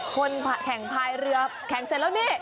คนแข่งพายเรือแข่งเสร็จแล้วนี่